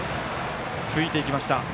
ついていきました。